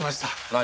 何？